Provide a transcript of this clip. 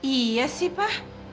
iya sih pa